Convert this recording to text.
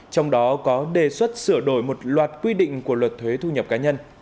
trong đó có đề xuất sửa đổi một loạt quy định của luật thuế thu nhập cá nhân